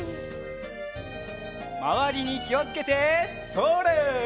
まわりにきをつけてそれ！